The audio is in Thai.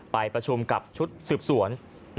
ไปประชุมกับชุดสืบสวน